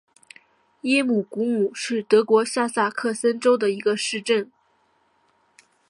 耶姆古姆是德国下萨克森州的一个市镇。